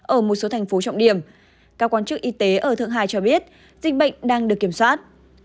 ở một số thành phố trọng điểm các quan chức y tế ở thượng hải cho biết dịch bệnh đang được kiểm soát